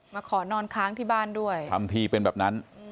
มาขอนอนค้างที่บ้านด้วยทำทีเป็นแบบนั้น